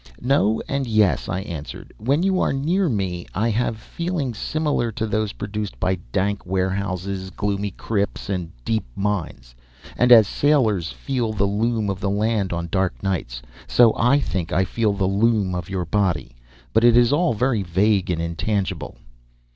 "No, and yes," I answered. "When you are near me I have feelings similar to those produced by dank warehouses, gloomy crypts, and deep mines. And as sailors feel the loom of the land on dark nights, so I think I feel the loom of your body. But it is all very vague and intangible."